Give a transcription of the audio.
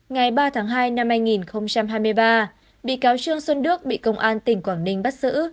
ngày ba tháng hai năm hai nghìn hai mươi ba bị cáo trương xuân đức bị công an tỉnh quảng ninh bắt giữ